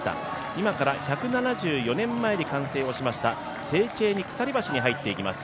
今から１７４年前に完成しましたセーチェーニ鎖橋に入っていきます。